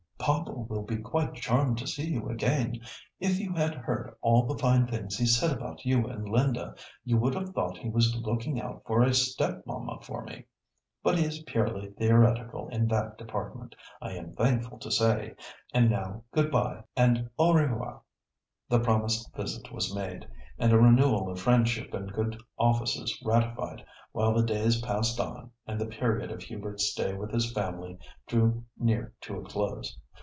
"Papa will be quite charmed to see you again. If you had heard all the fine things he said about you and Linda, you would have thought he was looking out for a step mamma for me. But he is purely theoretical in that department, I am thankful to say, and now good bye, and au revoir!" The promised visit was paid, and a renewal of friendship and good offices ratified, while the days passed on and the period of Hubert's stay with his family drew near to a close.